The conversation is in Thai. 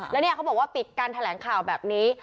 แล้วเนี่ยเขาบอกว่าปิดการแถลงข่าวแบบนี้